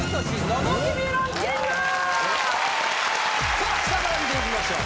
さあ下から見ていきましょう。